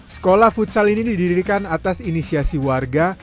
sekolah futsal ini didirikan atas inisiasi warga